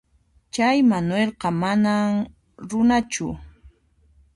Chay Manuelqa manam runachu.